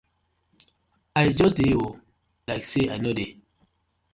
I just dey oo, like say I no dey.